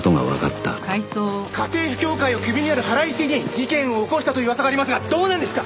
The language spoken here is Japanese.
家政婦協会をクビになる腹いせに事件を起こしたという噂がありますがどうなんですか！？